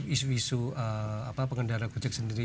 isu isu pengendara gojek sendiri